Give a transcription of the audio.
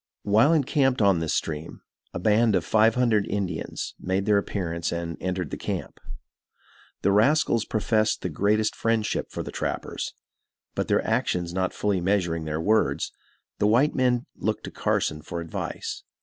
While encamped on this stream, a band of five hundred Indians made their appearance and entered the camp. The rascals professed the greatest friendship for the trappers, but their actions not fully measuring their words, the white men looked to Carson for advice.